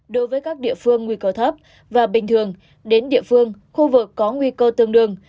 đối với các địa phương nguy cơ thấp và bình thường đến địa phương khu vực có nguy cơ tương đương